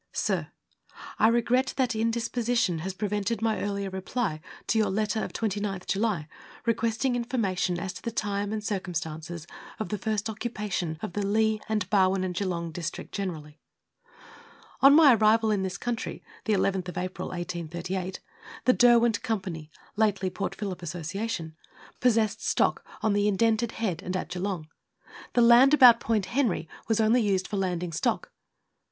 I regret that indisposition has prevented my earlier reply to your letter of 29th July, requesting " information as to the time and circumstances of the first occupation of the Leigh and Barwon and Geelong district generally." On my arrival in this country, llth April 1838, the Derwent Company (lately Port Phillip Association) possessed stock on the Letters from Victorian Piomers. 155 Indented Head and at Geelong. The land about Point Henry was only used for landing stock.